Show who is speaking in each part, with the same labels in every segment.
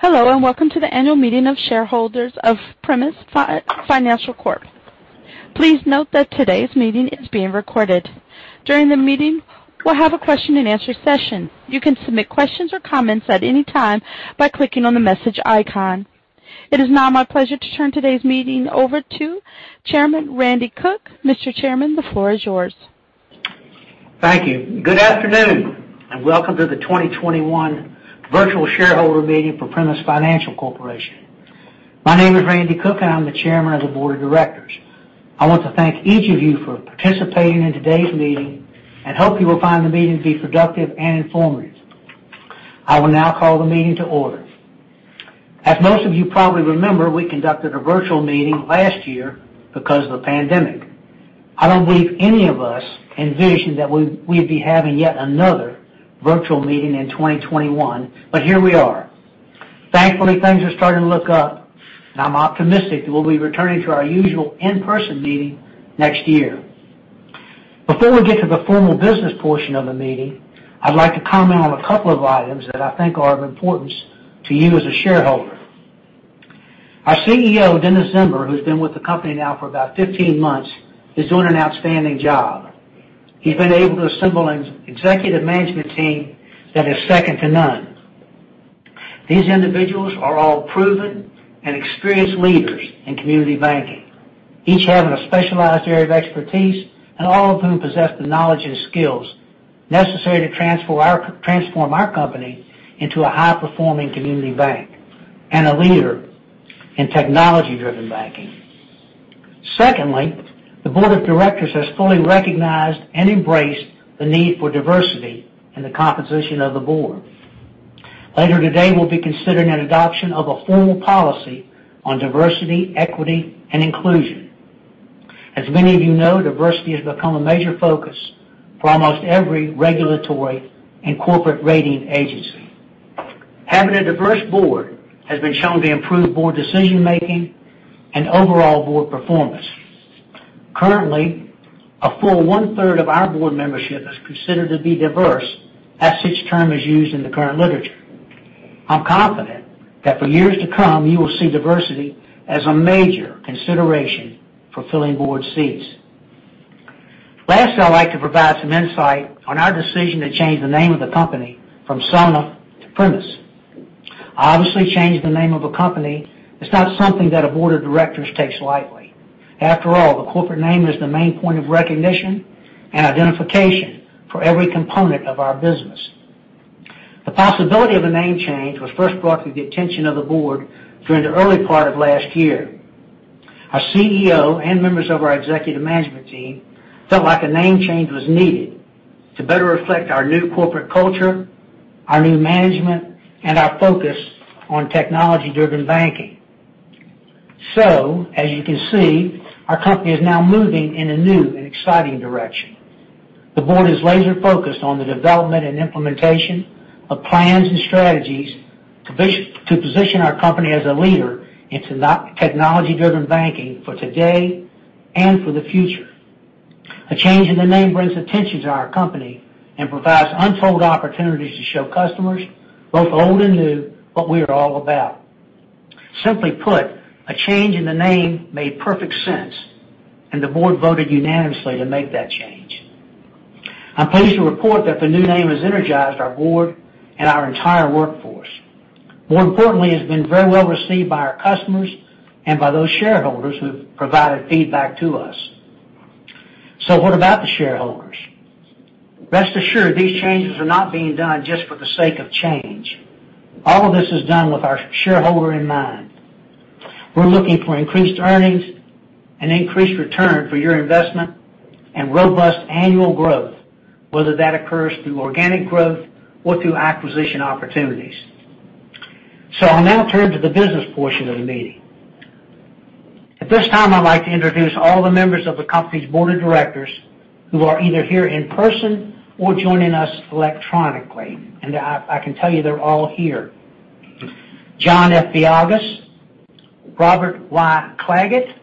Speaker 1: Hello, welcome to the annual meeting of shareholders of Primis Financial Corp. Please note that today's meeting is being recorded. During the meeting, we'll have a question and answer session. You can submit questions or comments at any time by clicking on the message icon. It is now my pleasure to turn today's meeting over to Chairman W. Rand Cook. Mr. Chairman, the floor is yours.
Speaker 2: Thank you. Good afternoon, welcome to the 2021 virtual shareholder meeting for Primis Financial Corporation. My name is W. Rand Cook, and I'm the chairman of the board of directors. I want to thank each of you for participating in today's meeting, and hope you will find the meeting to be productive and informative. I will now call the meeting to order. As most of you probably remember, we conducted a virtual meeting last year because of the pandemic. I don't believe any of us envisioned that we'd be having yet another virtual meeting in 2021, but here we are. Thankfully, things are starting to look up, and I'm optimistic that we'll be returning to our usual in-person meeting next year. Before we get to the formal business portion of the meeting, I'd like to comment on a couple of items that I think are of importance to you as a shareholder. Our CEO, Dennis J. Zember, Jr., who's been with the company now for about 15 months, is doing an outstanding job. He's been able to assemble an executive management team that is second to none. These individuals are all proven and experienced leaders in community banking, each having a specialized area of expertise, and all of whom possess the knowledge and skills necessary to transform our company into a high-performing community bank and a leader in technology-driven banking. Secondly, the board of directors has fully recognized and embraced the need for diversity in the composition of the board. Later today, we'll be considering an adoption of a formal policy on diversity, equity, and inclusion. As many of you know, diversity has become a major focus for almost every regulatory and corporate rating agency. Having a diverse board has been shown to improve board decision-making and overall board performance. Currently, a full one-third of our board membership is considered to be diverse, as this term is used in the current literature. I'm confident that for years to come, you will see diversity as a major consideration for filling board seats. Last, I'd like to provide some insight on our decision to change the name of the company from Sona to Primis. Obviously, changing the name of a company is not something that a board of directors takes lightly. After all, the corporate name is the main point of recognition and identification for every component of our business. The possibility of a name change was first brought to the attention of the board during the early part of last year. Our CEO and members of our executive management team felt like a name change was needed to better reflect our new corporate culture, our new management, and our focus on technology-driven banking. As you can see, our company is now moving in a new and exciting direction. The board is laser-focused on the development and implementation of plans and strategies to position our company as a leader in technology-driven banking for today and for the future. The change in the name brings attention to our company and provides untold opportunities to show customers, both old and new, what we are all about. Simply put, a change in the name made perfect sense. The board voted unanimously to make that change. I'm pleased to report that the new name has energized our board and our entire workforce. More importantly, it's been very well received by our customers and by those shareholders who have provided feedback to us. What about the shareholders? Rest assured, these changes are not being done just for the sake of change. All of this is done with our shareholder in mind. We're looking for increased earnings and increased return for your investment and robust annual growth, whether that occurs through organic growth or through acquisition opportunities. I'll now turn to the business portion of the meeting. At this time, I'd like to introduce all the members of the company's board of directors who are either here in person or joining us electronically. I can tell you they're all here. John F. Biagas, Robert Y. Clagett,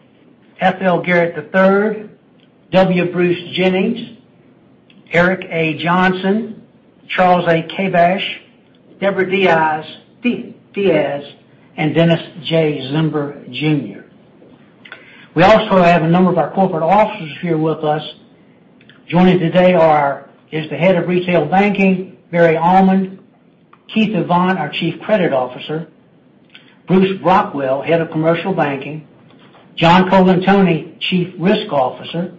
Speaker 2: F.L. Garrett III, W. Bruce Jennings, Eric A. Johnson, Charles A. Kabbash, Deborah Diaz, and Dennis J. Zember, Jr. We also have a number of our corporate officers here with us. Joining today is the head of retail banking, Barry Almond; Keith Yvonne, our Chief Credit Officer; Bruce Rockwell, Head of Commercial Banking; John Colantoni, Chief Risk Officer;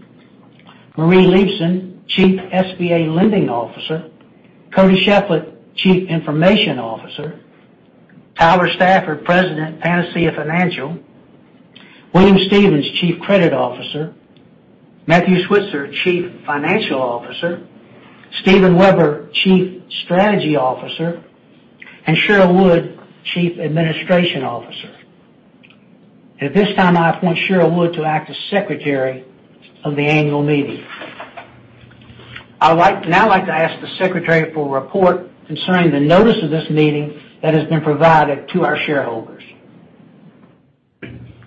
Speaker 2: Marie Leibson, Chief SBA Lending Officer; Cody Sheflett, Chief Information Officer; Tyler Stafford, President, Panacea Financial; William Stevens, Chief Credit Officer; Matthew Switzer, Chief Financial Officer; Stephen Weber, Chief Strategy Officer; and Cheryl Wood, Chief Administration Officer. At this time, I appoint Cheryl Wood to act as secretary of the annual meeting. I'd now like to ask the secretary for a report concerning the notice of this meeting that has been provided to our shareholders.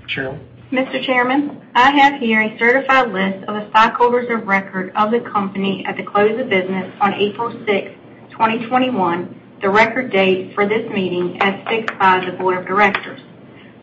Speaker 2: Cheryl?
Speaker 3: Mr. Chairman, I have here a certified list of the stockholders of record of the company at the close of business on April 6th, 2021, the record date for this meeting as fixed by the board of directors.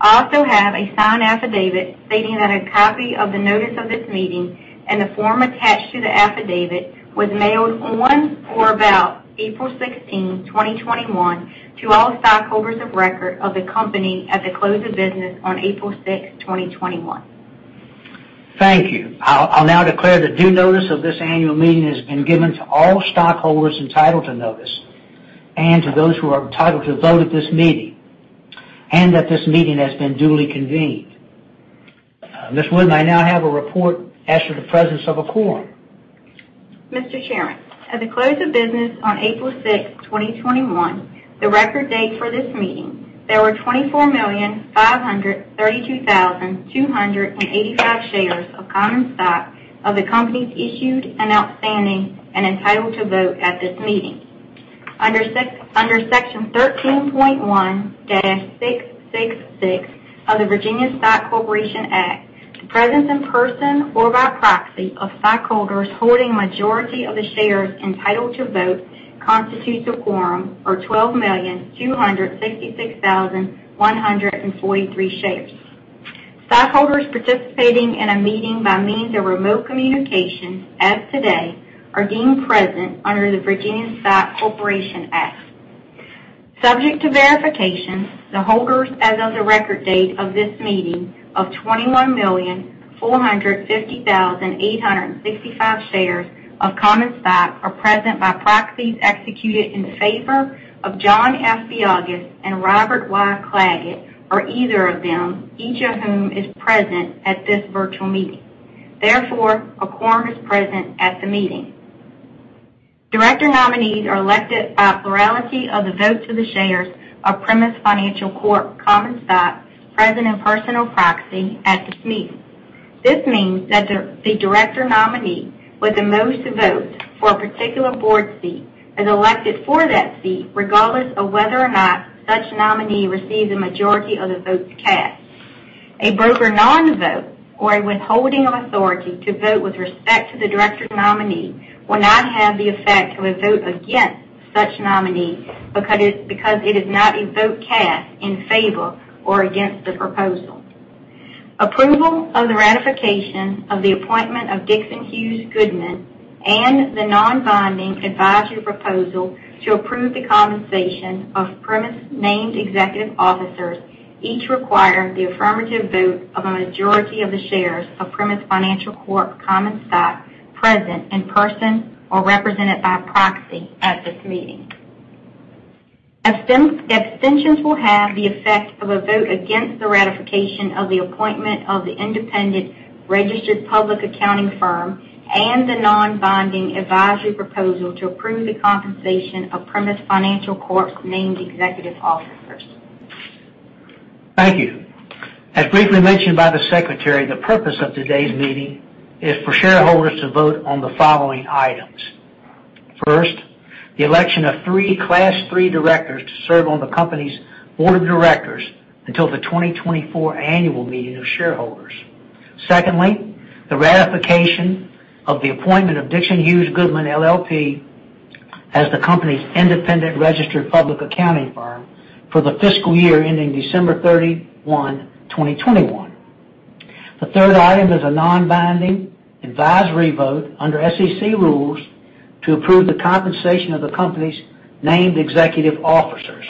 Speaker 3: I also have a signed affidavit stating that a copy of the notice of this meeting and the form attached to the affidavit was mailed on or about April 16, 2021, to all stockholders of record of the company at the close of business on April 6th, 2021.
Speaker 2: Thank you. I'll now declare the due notice of this annual meeting has been given to all stockholders entitled to notice, and to those who are entitled to vote at this meeting, and that this meeting has been duly convened. Ms. Wood, may I now have a report as to the presence of a quorum?
Speaker 3: Mr. Chairman, at the close of business on April 6th, 2021, the record date for this meeting, there were 24,532,285 shares of common stock of the company's issued and outstanding and entitled to vote at this meeting. Under Section 13.1-666 of the Virginia Stock Corporation Act, presence in person or by proxy of stockholders holding majority of the shares entitled to vote constitutes a quorum or 12,266,143 shares. Shareholders participating in a meeting by means of remote communication, as today, are deemed present under the Virginia Stock Corporation Act. Subject to verification, the holders as of the record date of this meeting of 21,450,865 shares of common stock are present by proxies executed in favor of John F. Biagas and Robert Y. Clagett or either of them, each of whom is present at this virtual meeting. Therefore, a quorum is present at the meeting. Director nominees are elected by plurality of the votes of the shares of Primis Financial Corp. common stock present in personal proxy at this meeting. This means that the director nominee with the most votes for a particular board seat is elected for that seat regardless of whether or not such nominee receives a majority of the votes cast. A broker non-vote or a withholding of authority to vote with respect to the director nominee will not have the effect of a vote against such nominee because it is not a vote cast in favor or against the proposal. Approval of the ratification of the appointment of Dixon Hughes Goodman and the non-binding advisory proposal to approve the compensation of Primis' named executive officers each require the affirmative vote of a majority of the shares of Primis Financial Corp. common stock present in person or represented by proxy at this meeting. Abstentions will have the effect of a vote against the ratification of the appointment of the independent registered public accounting firm and the non-binding advisory proposal to approve the compensation of Primis Financial Corp.'s named executive officers.
Speaker 2: Thank you. As briefly mentioned by the secretary, the purpose of today's meeting is for shareholders to vote on the following items. First, the election of three Class III directors to serve on the company's board of directors until the 2024 annual meeting of shareholders. Secondly, the ratification of the appointment of Dixon Hughes Goodman LLP as the company's independent registered public accounting firm for the fiscal year ending December 31, 2021. The third item is a non-binding advisory vote under SEC rules to approve the compensation of the company's named executive officers.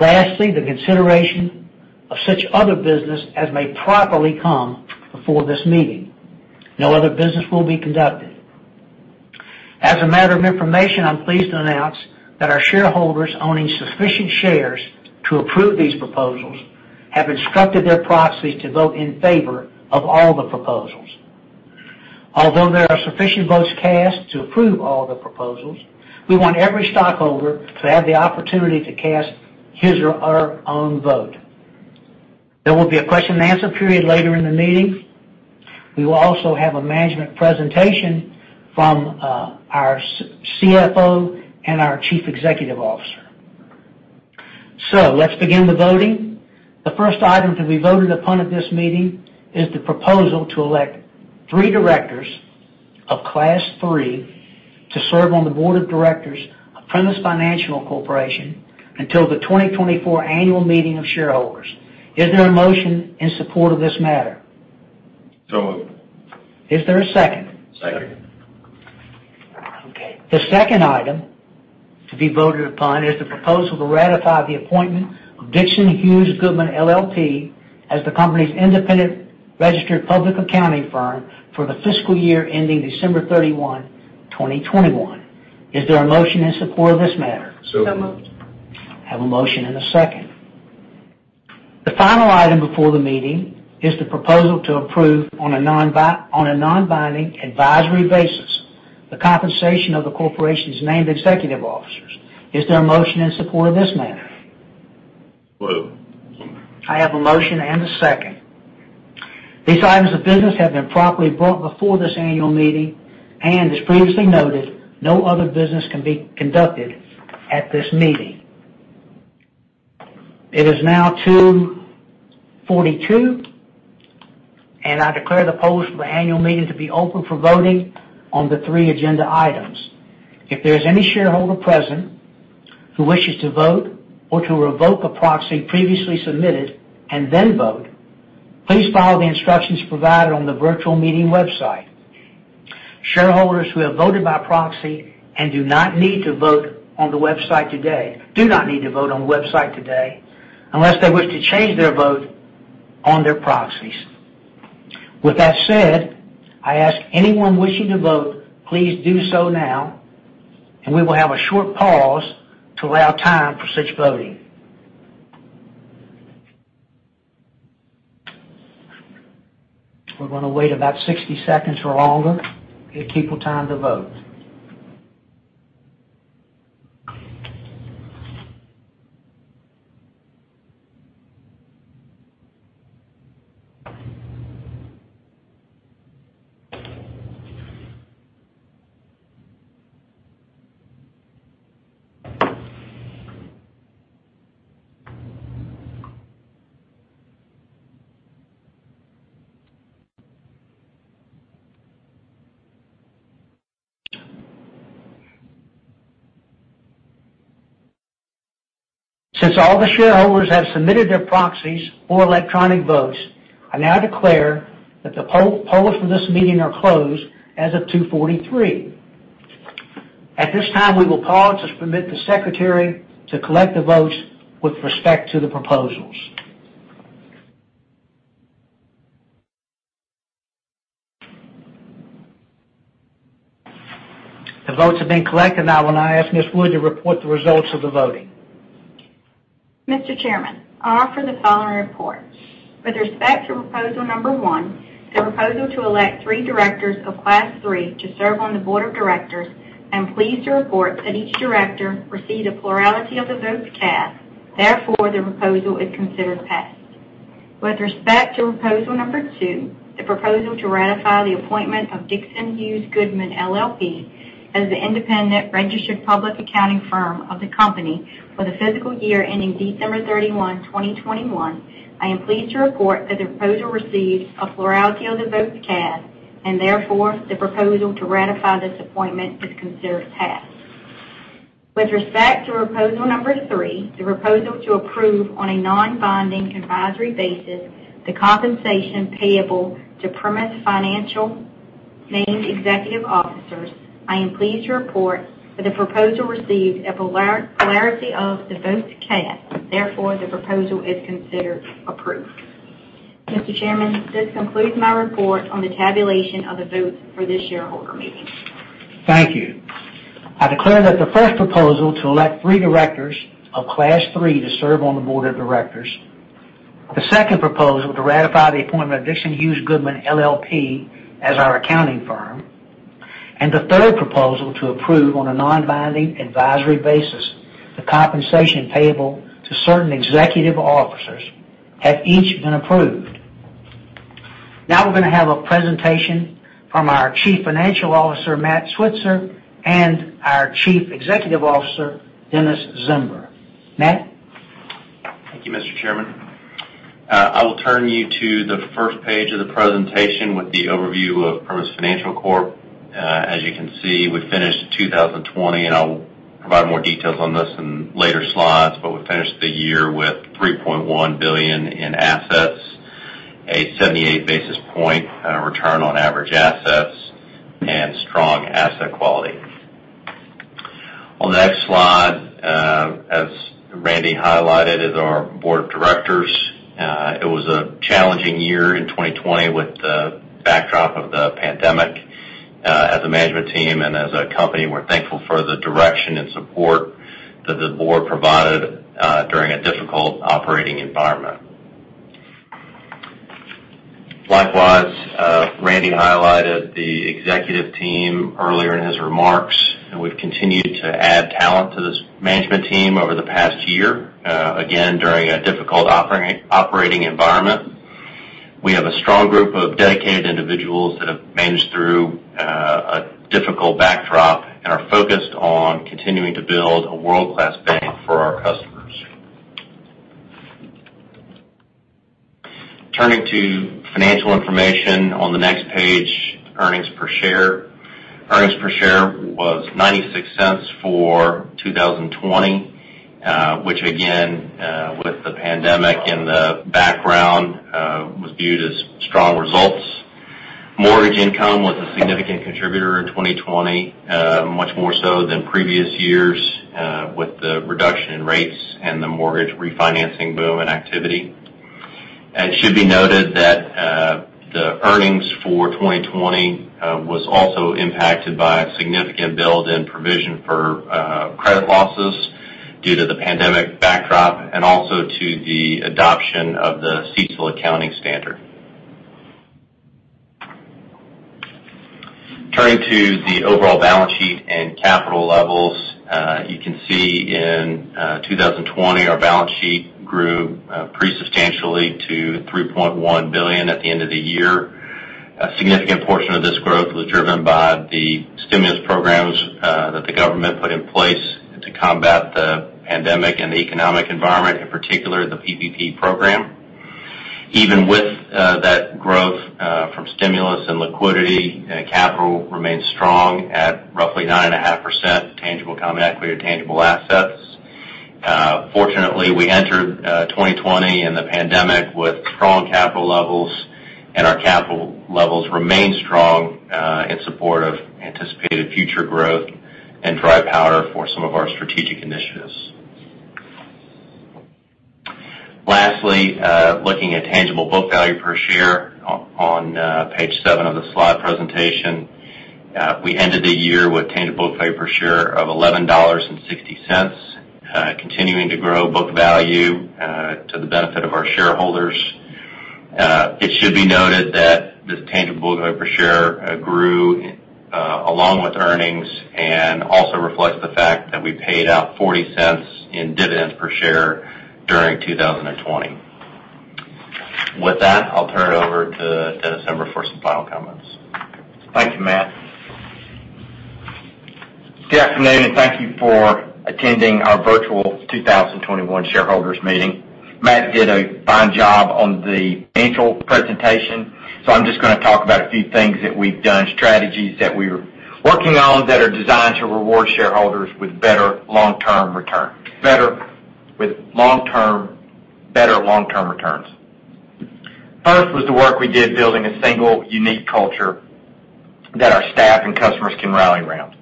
Speaker 2: The consideration of such other business as may properly come before this meeting. No other business will be conducted. As a matter of information, I'm pleased to announce that our shareholders owning sufficient shares to approve these proposals have instructed their proxies to vote in favor of all the proposals. Although there are sufficient votes cast to approve all the proposals, we want every stockholder to have the opportunity to cast his or her own vote. There will be a question and answer period later in the meeting. We will also have a management presentation from our CFO and our Chief Executive Officer. Let's begin the voting. The first item to be voted upon at this meeting is the proposal to elect three directors of Class III to serve on the board of directors of Primis Financial Corporation until the 2024 annual meeting of shareholders. Is there a motion in support of this matter?
Speaker 4: Moved.
Speaker 2: Is there a second?
Speaker 5: Second.
Speaker 2: Okay. The second item to be voted upon is the proposal to ratify the appointment of Dixon Hughes Goodman LLP as the company's independent registered public accounting firm for the fiscal year ending December 31, 2021. Is there a motion in support of this matter?
Speaker 6: Moved.
Speaker 7: Moved.
Speaker 2: I have a motion and a second. The final item before the meeting is the proposal to approve on a non-binding advisory basis the compensation of the corporation's named executive officers. Is there a motion in support of this matter?
Speaker 8: Moved.
Speaker 9: Second.
Speaker 2: I have a motion and a second. These items of business have been properly brought before this annual meeting, and as previously noted, no other business can be conducted at this meeting. It is now 2:42P.M., and I declare the polls for the annual meeting to be open for voting on the three agenda items. If there's any shareholder present who wishes to vote or to revoke a proxy previously submitted and then vote, please follow the instructions provided on the virtual meeting website. Shareholders who have voted by proxy and do not need to vote on the website today unless they wish to change their vote on their proxies. With that said, I ask anyone wishing to vote, please do so now, and we will have a short pause to allow time for such voting. We're going to wait about 60 seconds or longer, give people time to vote. Since all the shareholders have submitted their proxies or electronic votes, I now declare that the polls for this meeting are closed as of 2:43P.M. At this time, we will pause to permit the secretary to collect the votes with respect to the proposals. The votes have been collected. I ask Ms. Wood to report the results of the voting.
Speaker 3: Mr. Chairman, I offer the following report. With respect to proposal number one, the proposal to elect three directors of Class III to serve on the board of directors, I'm pleased to report that each director received a plurality of the votes cast, therefore, the proposal is considered passed. With respect to proposal number two, the proposal to ratify the appointment of Dixon Hughes Goodman LLP as the independent registered public accounting firm of the company for the fiscal year ending December 31, 2021, I am pleased to report that the proposal received a plurality of the votes cast and therefore the proposal to ratify this appointment is considered passed. With respect to proposal number three, the proposal to approve on a non-binding advisory basis the compensation payable to Primis Financial named executive officers, I am pleased to report that the proposal received a plurality of the votes cast, therefore the proposal is considered approved. Mr. Chairman, this concludes my report on the tabulation of the votes for the shareholder meeting.
Speaker 2: Thank you. I declare that the first proposal to elect three directors of Class III to serve on the board of directors, the second proposal to ratify the appointment of Dixon Hughes Goodman LLP as our accounting firm, and the third proposal to approve on a non-binding advisory basis the compensation payable to certain executive officers have each been approved. We're going to have a presentation from our Chief Financial Officer, Matt Switzer, and our Chief Executive Officer, Dennis Zember. Matt?
Speaker 10: Thank you, Mr. Chairman. I will turn you to the first page of the presentation with the overview of Primis Financial Corp. As you can see, we finished 2020, I will provide more details on this in later slides, we finished the year with $3.1 billion in assets, a 78 basis point on return on average assets, and strong asset quality. On the next slide, as Randy highlighted is our board of directors. It was a challenging year in 2020 with the backdrop of the pandemic. As a management team and as a company, we're thankful for the direction and support that the board provided during a difficult operating environment. Likewise, Randy highlighted the executive team earlier in his remarks, we've continued to add talent to this management team over the past year, again, during a difficult operating environment. We have a strong group of dedicated individuals that have managed through a difficult backdrop and are focused on continuing to build a world-class bank for our customers. Turning to financial information on the next page, earnings per share. Earnings per share was $0.96 for 2020, which again, with the pandemic in the background, was viewed as strong results. Mortgage income was a significant contributor in 2020, much more so than previous years, with the reduction in rates and the mortgage refinancing boom and activity. It should be noted that the earnings for 2020 was also impacted by a significant build in provision for credit losses due to the pandemic backdrop and also to the adoption of the CECL accounting standard. Turning to the overall balance sheet and capital levels, you can see in 2020, our balance sheet grew pretty substantially to $3.1 billion at the end of the year. A significant portion of this growth was driven by the stimulus programs that the government put in place to combat the pandemic and the economic environment, in particular the PPP program. Even with that growth from stimulus and liquidity, capital remained strong at roughly 9.5% tangible common equity to tangible assets. Fortunately, we entered 2020 and the pandemic with strong capital levels, and our capital levels remain strong in support of anticipated future growth and dry powder for some of our strategic initiatives. Lastly, looking at tangible book value per share on page seven of the slide presentation. We ended the year with tangible book value per share of $11.60, continuing to grow book value to the benefit of our shareholders. It should be noted that this tangible book value per share grew along with earnings and also reflects the fact that we paid out $0.40 in dividends per share during 2020. With that, I'll turn it over to Dennis J. Zember, Jr. for some final comments.
Speaker 11: Thank you, Matt. Staff and ladies, thank you for attending our virtual 2021 shareholders meeting. Matt did a fine job on the financial presentation. I'm just going to talk about a few things that we've done, strategies that we are working on that are designed to reward shareholders with better long-term returns. First was the work we did building a single unique culture that our staff and customers can rally around.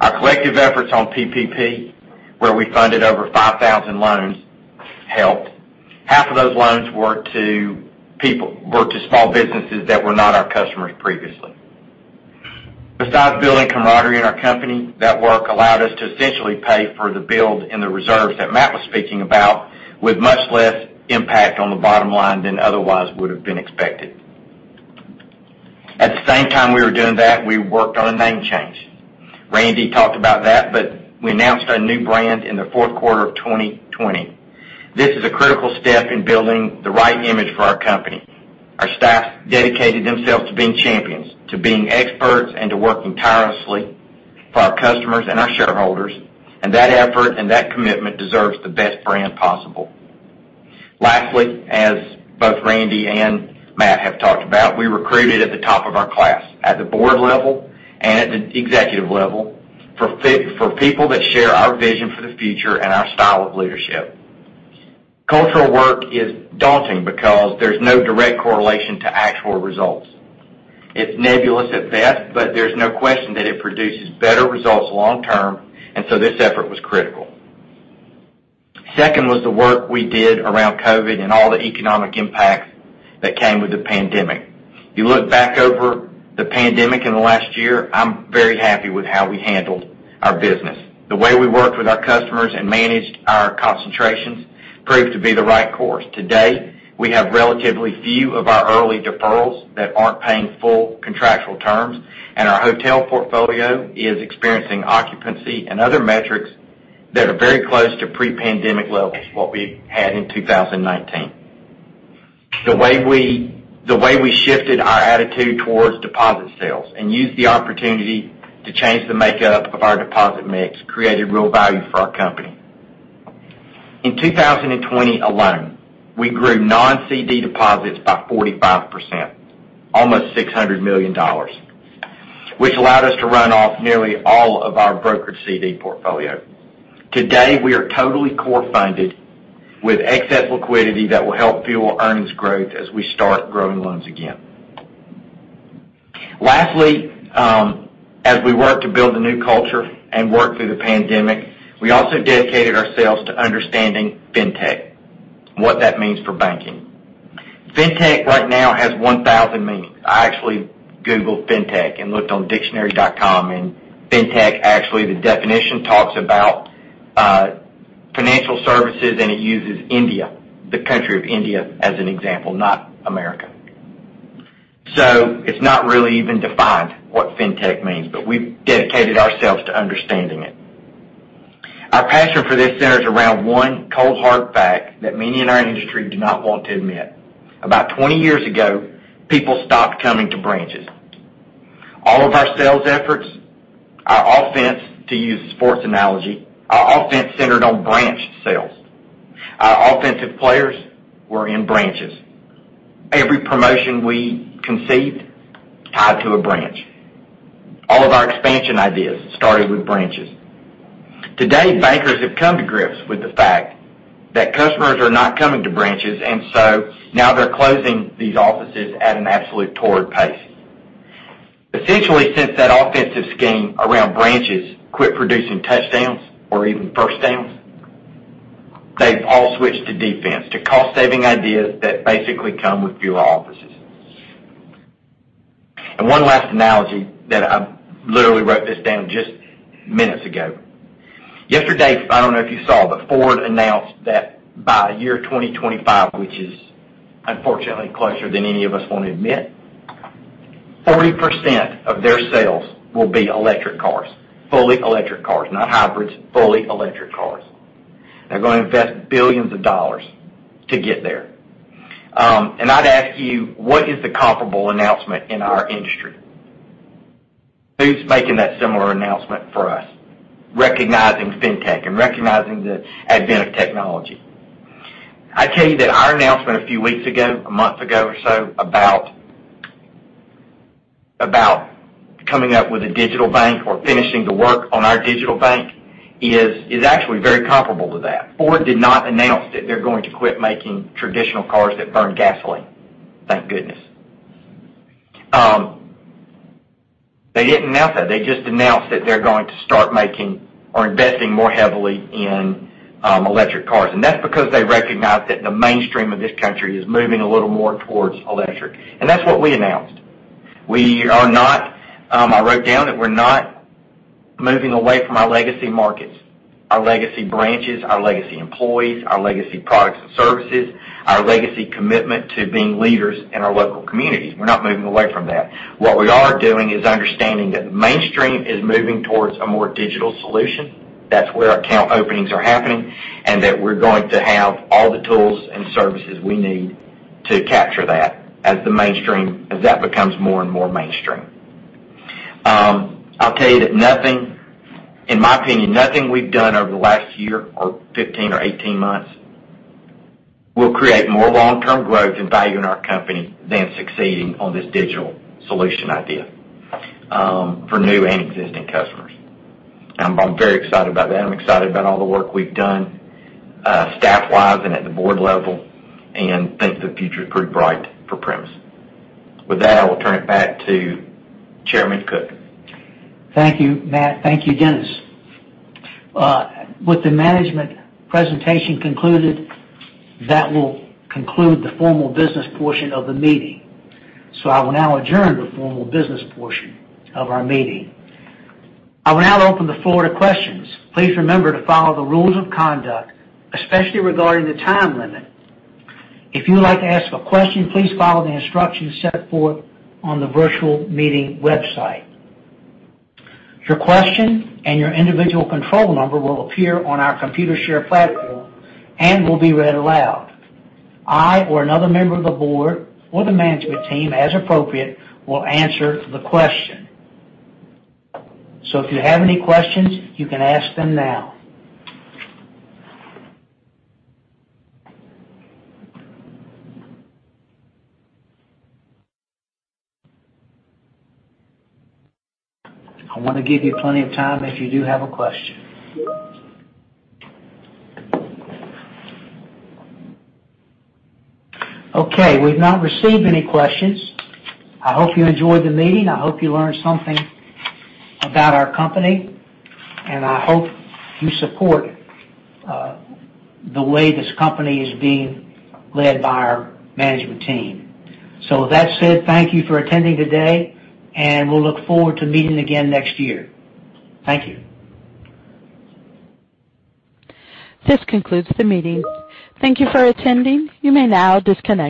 Speaker 11: Our collective efforts on PPP, where we funded over 5,000 loans, helped. Half of those loans were to small businesses that were not our customers previously. Besides building camaraderie in our company, that work allowed us to essentially pay for the build and the reserves that Matt was speaking about with much less impact on the bottom line than otherwise would have been expected. At the same time we were doing that, we worked on a name change. W. Rand Cook talked about that. We announced our new brand in the fourth quarter of 2020. This is a critical step in building the right image for our company. Our staff dedicated themselves to being champions, to being experts, and to working tirelessly for our customers and our shareholders, and that effort and that commitment deserves the best brand possible. Lastly, as both W. Rand Cook and Matthew A. Switzer have talked about, we recruited at the top of our class, at the board level and at the executive level, for people that share our vision for the future and our style of leadership. Cultural work is daunting because there's no direct correlation to actual results. It's nebulous at best, but there's no question that it produces better results long-term, and so this effort was critical. Second was the work we did around COVID and all the economic impacts that came with the pandemic. You look back over the pandemic in the last year, I'm very happy with how we handled our business. The way we worked with our customers and managed our concentrations proved to be the right course. Today, we have relatively few of our early deferrals that aren't paying full contractual terms, and our hotel portfolio is experiencing occupancy and other metrics that are very close to pre-pandemic levels, what we had in 2019. The way we shifted our attitude towards deposit sales and used the opportunity to change the makeup of our deposit mix created real value for our company. In 2020 alone, we grew non-CD deposits by 45%, almost $600 million, which allowed us to run off nearly all of our brokered CD portfolio. Today, we are totally core funded with excess liquidity that will help fuel earnings growth as we start growing loans again. Lastly, as we work to build a new culture and work through the pandemic, we also dedicated ourselves to understanding fintech, what that means for banking. Fintech right now has 1,000 meanings. I actually googled fintech and looked on dictionary.com, and fintech actually the definition talks about financial services, and it uses India, the country of India, as an example, not America. It's not really even defined what fintech means, but we've dedicated ourselves to understanding it. Our passion for this centers around one cold, hard fact that me and our industry do not want to admit. About 20 years ago, people stopped coming to branches. All of our sales efforts, our offense, to use a sports analogy, our offense centered on branch sales. Our offensive players were in branches. Every promotion we conceived tied to a branch. All of our expansion ideas started with branches. Today, bankers have come to grips with the fact that customers are not coming to branches, and so now they're closing these offices at an absolutely torrid pace. Essentially, since that offensive scheme around branches quit producing touchdowns or even first downs, they've all switched to defense, to cost-saving ideas that basically come with fewer offices. One last analogy that I literally wrote this down just minutes ago. Yesterday, I don't know if you saw, but Ford announced that by year 2025, which is unfortunately closer than any of us want to admit, 40% of their sales will be electric cars, fully electric cars. Not hybrids, fully electric cars. They're going to invest billions of dollars to get there. I'd ask you, what is the comparable announcement in our industry? Who's making that similar announcement for us, recognizing fintech and recognizing the advent of technology? I tell you that our announcement a few weeks ago, a month ago or so, about coming up with a digital bank or finishing the work on our digital bank, is actually very comparable to that. Ford did not announce that they're going to quit making traditional cars that burn gasoline, thank goodness. They didn't announce that. They just announced that they're going to start making or investing more heavily in electric cars. That's because they recognize that the mainstream of this country is moving a little more towards electric. That's what we announced. I wrote down that we're not moving away from our legacy markets, our legacy branches, our legacy employees, our legacy products and services, our legacy commitment to being leaders in our local communities. We're not moving away from that. What we are doing is understanding that the mainstream is moving towards a more digital solution, that's where account openings are happening, and that we're going to have all the tools and services we need to capture that as that becomes more and more mainstream. I'll tell you that nothing, in my opinion, nothing we've done over the last year or 15 or 18 months will create more long-term growth and value in our company than succeeding on this digital solution idea for new and existing customers. I'm very excited about that. I'm excited about all the work we've done, staff-wise and at the board level, and think the future is pretty bright for Primis. With that, I will turn it back to Chairman Cook.
Speaker 2: Thank you, Matthew Switzer. Thank you, Dennis J. Zember, Jr. With the management presentation concluded, that will conclude the formal business portion of the meeting. I will now adjourn the formal business portion of our meeting. I will now open the floor to questions. Please remember to follow the rules of conduct, especially regarding the time limit. If you would like to ask a question, please follow the instructions set forth on the virtual meeting website. Your question and your individual control number will appear on our Computershare platform and will be read aloud. I or another member of the board or the management team, as appropriate, will answer the question. If you have any questions, you can ask them now. I want to give you plenty of time if you do have a question. Okay, we've not received any questions. I hope you enjoyed the meeting. I hope you learned something about our company, and I hope you support the way this company is being led by our management team. With that said, thank you for attending today, and we'll look forward to meeting again next year. Thank you.
Speaker 1: This concludes the meeting. Thank you for attending. You may now disconnect.